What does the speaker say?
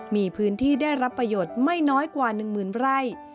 มีพื้นที่ได้รับประโยชน์ไม่น้อยกว่า๑๐๐๐ไร่